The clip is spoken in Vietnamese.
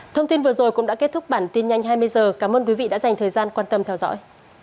thông tin vừa rồi cũng đã kết thúc bản tin nhanh hai mươi h cảm ơn quý vị đã dành thời gian quan tâm theo dõi